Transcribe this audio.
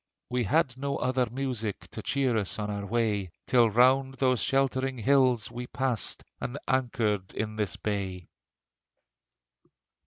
We had no other music To cheer us on our way: Till round those sheltering hills we passed And anchored in this bay.